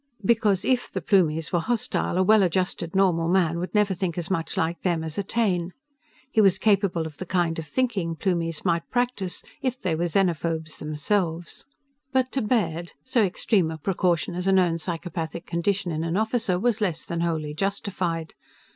Because if the Plumies were hostile, a well adjusted, normal man would never think as much like them as a Taine. He was capable of the kind of thinking Plumies might practice, if they were xenophobes themselves. But to Baird, so extreme a precaution as a known psychopathic condition in an officer was less than wholly justified.